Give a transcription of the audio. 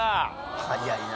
早いな。